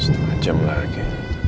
sampai jumpa lagi